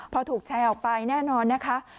พอถูกแชร์ออกไปแน่นอนนะคะ